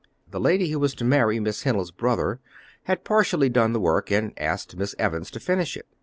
The lady who was to marry Miss Hennell's brother had partially done the work, and asked Miss Evans to finish it.